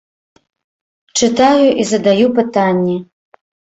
Чытаю і задаю пытанні.